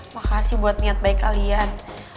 makasih buat niat baik kalian